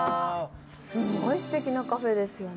すごいステキなカフェですよね。